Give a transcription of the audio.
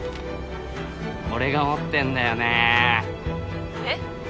俺が持ってんだよね☎えっ！？